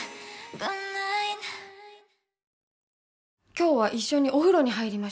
今日は一緒にお風呂に入りましょう。